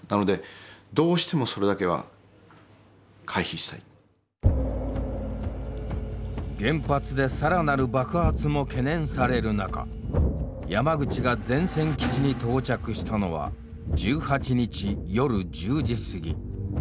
つまり原発で更なる爆発も懸念される中山口が前線基地に到着したのは１８日夜１０時過ぎ。